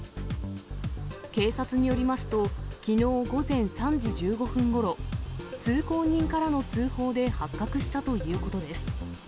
警察によりますと、きのう午前３時１５分ごろ、通行人からの通報で発覚したということです。